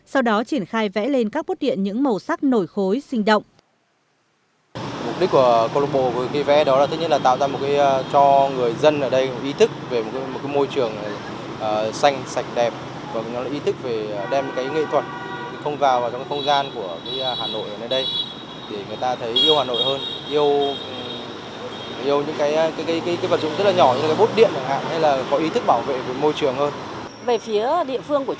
sau đó triển khai vẽ lên các bốt điện những màu sắc nổi khối sinh động